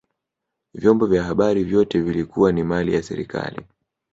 vyombo vya habari vyote vilikuwa ni mali ya serikali